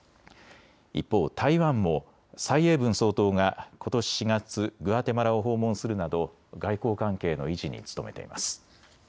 一方、台湾も蔡英文総統がことし４月、グアテマラを訪問するなど外交関係の維持に努めています。